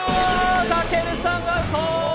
たけるさんアウト！